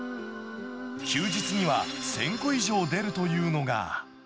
休日には、１０００個以上出るというのが。